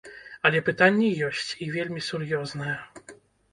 Але пытанне ёсць, і вельмі сур'ёзнае.